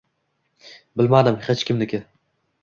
— Bilmadim. Hech kimniki.